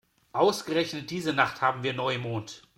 Ausgerechnet diese Nacht haben wir Neumond.